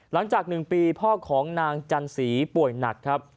หลังจาก๑ปีพ่อของนางจันสีป่วยหนักครับ